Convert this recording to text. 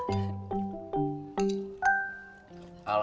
tidak ada apa apa